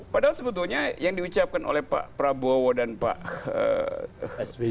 padahal sebetulnya yang diucapkan oleh pak prabowo dan pak sby